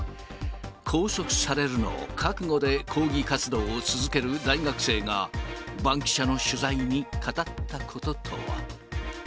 拘束されるのを覚悟で、抗議活動を続ける大学生が、バンキシャの取材に語ったこととは。